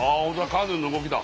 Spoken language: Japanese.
カヌーの動きだ。